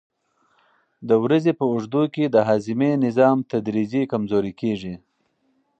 د ورځې په اوږدو کې د هاضمې نظام تدریجي کمزوری کېږي.